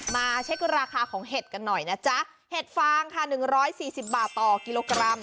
มาเช็คราคาของเห็ดกันหน่อยนะจ๊ะเห็ดฟางค่ะ๑๔๐บาทต่อกิโลกรัม